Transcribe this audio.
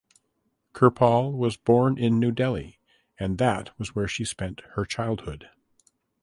Kirpal was born in New Delhi and that was where she spent her childhood.